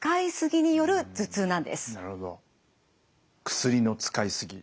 薬の使いすぎ。